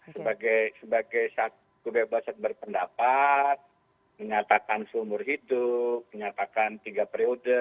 sebagai satu kebebasan berpendapat menyatakan seumur hidup menyatakan tiga periode